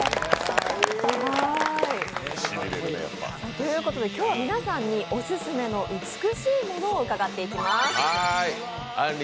ということで今日は皆さんにオススメの美しいものを伺っていきます。